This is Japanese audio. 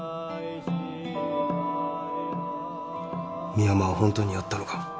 深山は本当にやったのか？